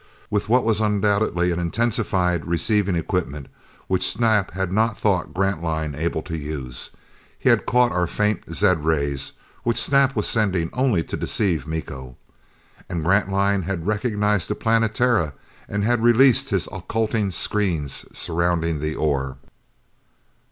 With what was undoubtedly an intensified receiving equipment which Snap had not thought Grantline able to use, he had caught our faint zed rays, which Snap was sending only to deceive Miko. And Grantline had recognized the Planetara, and had released his occulting screens surrounding the ore.